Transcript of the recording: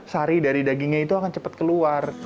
sari dari dagingnya itu akan cepat keluar